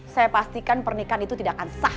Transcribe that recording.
saya pastikan pernikahan itu tidak akan sah